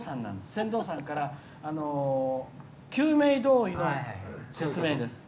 船頭さんから救命胴衣の説明です。